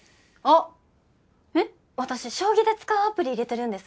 私将棋で使うアプリ入れてるんです。